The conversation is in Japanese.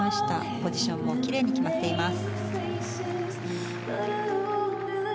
ポジションも奇麗に決まっています。